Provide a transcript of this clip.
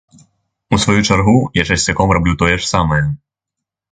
У сваю чаргу, я часцяком раблю тое ж самае.